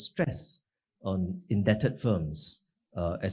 di firma firma yang berpengurusan